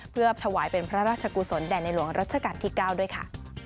เพื่อถวายเป็นพระราชกุศลแด่ในหลวงรัชกาลที่๙ด้วยค่ะ